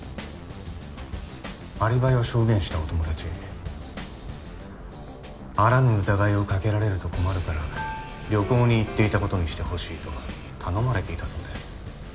アリバイを証言したお友達あらぬ疑いを掛けられると困るから旅行に行っていたことにしてほしいと頼まれていたそうです。